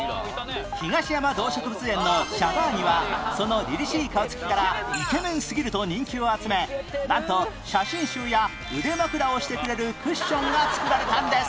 東山動植物園のシャバーニはその凜々しい顔つきからイケメンすぎると人気を集めなんと写真集や腕枕をしてくれるクッションが作られたんです